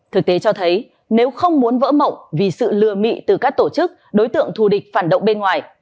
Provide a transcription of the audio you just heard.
thực tế cho thấy nếu không muốn vỡ mộng vì sự lừa mị từ các tổ chức đối tượng thù địch phản động bên ngoài